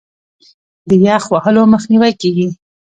د یخ وهلو مخنیوی کیږي.